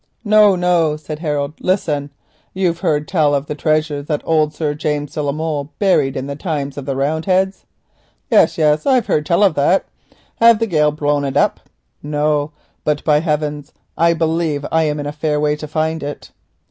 "No, no," said Harold; "listen. You've heard tell of the treasure that old Sir James de la Molle buried in the time of the Roundheads?" "Yes, yes. I've heard tell of that. Hev the gale blown it up?" "No, but by heaven I believe that I am in a fair way to find it."